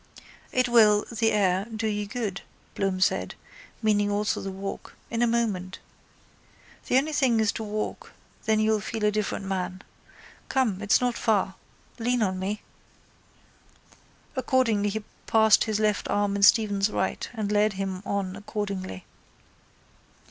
—It will (the air) do you good, Bloom said, meaning also the walk, in a moment. The only thing is to walk then you'll feel a different man. Come. It's not far. Lean on me. Accordingly he passed his left arm in Stephen's right and led him on accordingly.